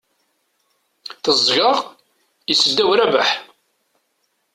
Teẓẓgeɣ, issedaw Rabaḥ.